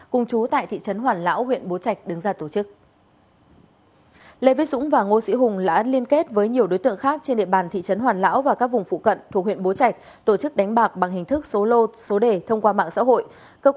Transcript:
cùng chú tại thị trấn hoàn lão huyện bố trạch đứng ra tổ chức